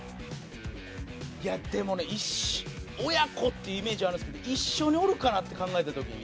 いやでもね一緒親子っていうイメージはあるんですけど一緒におるかなって考えた時に。